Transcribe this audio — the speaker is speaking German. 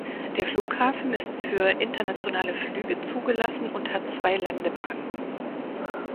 Der Flughafen ist für internationale Flüge zugelassen und hat zwei Landebahnen.